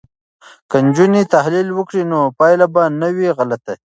که نجونې تحلیل وکړي نو پایله به نه وي غلطه.